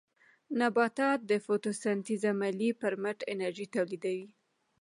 نباتات د فوټوسنټیز عملیې پر مټ انرژي تولیدوي